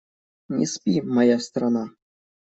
Не спи, моя страна!